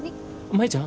舞ちゃん。